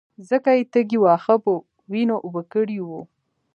ځکه يې تږي واښه په وينو اوبه کړي وو.